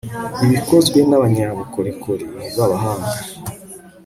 ibikozwe n'abanyabukorikori b'abahanga